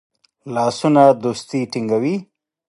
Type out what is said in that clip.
لاسونه دوستی ټینګوي